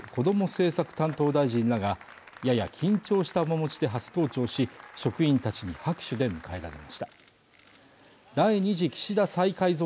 政策担当大臣らがやや緊張した面持ちで初登庁し職員たちに拍手で迎えられました第２次岸田再改造